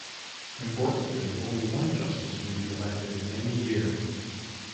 Importantly, only one justice may be elected in any year.